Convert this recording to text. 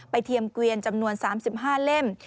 เทียมเกวียนจำนวน๓๕เล่ม